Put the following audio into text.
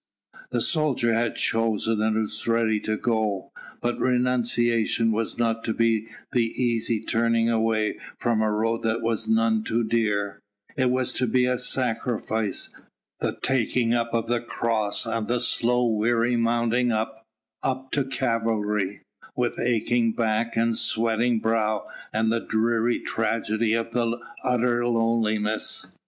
The soldier had chosen and was ready to go. But renunciation was not to be the easy turning away from a road that was none too dear it was to be a sacrifice! the taking up of the cross and the slow, weary mounting up, up to Calvary, with aching back and sweating brow and the dreary tragedy of utter loneliness.